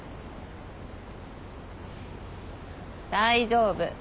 大丈夫。